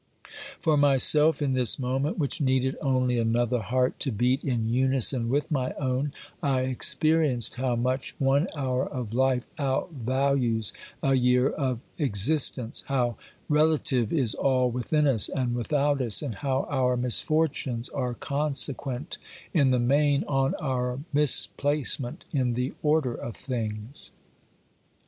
For myself, in this moment, which needed only another heart to beat in unison with my own, I experienced how much one hour of life outvalues a year of existence, how rela tive is all within us and without us, and how our mis fortunes are consequent in the main on our misplacement in the order of things.